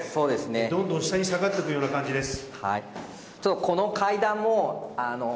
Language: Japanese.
どんどん下に下がっていくような感じです。